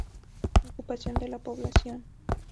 Ocupación de la población